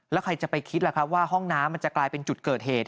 แล้วใครจะไปคิดล่ะครับว่าห้องน้ำมันจะกลายเป็นจุดเกิดเหตุ